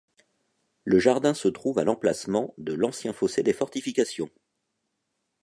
Le jardin se trouve à l'emplacement de l'ancien fossé des fortifications.